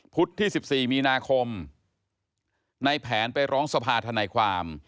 ที่๑๔มีนาคมในแผนไปร้องสภาธนายความ